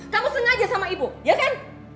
kamu sengaja sama ibu ya kan